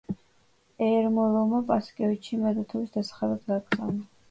ერმოლოვმა პასკევიჩი მადათოვის დასახმარებლად გააგზავნა.